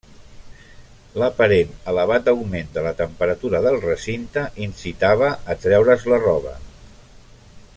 L'aparent elevat augment de la temperatura del recinte incitava a treure's la roba.